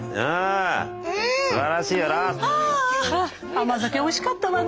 甘酒おいしかったわね。